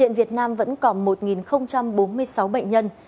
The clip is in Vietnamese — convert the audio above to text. hiện việt nam vẫn còn một bốn mươi sáu bệnh nhân